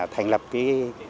thành lập cái